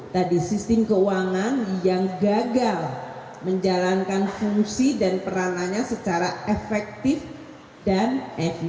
tadi sistem keuangan yang gagal menjalankan fungsi dan peranannya secara efektif dan efisien